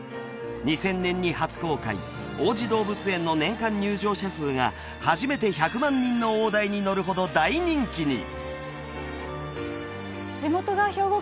２０００年に初公開王子動物園の年間入場者数が初めて１００万人の大台に乗るほど大人気に！